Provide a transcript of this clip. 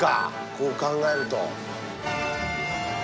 こう考えると。